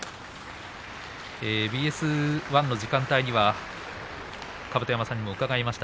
ＢＳ１の時間帯に甲山さんに伺いました。